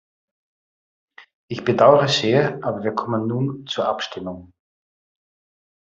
Ich bedaure sehr, aber wir kommen nun zur Abstimmung.